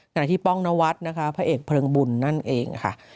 ที่ป้องนวัดนะคะพระเอกเพลิงบุญนั่นเองค่ะ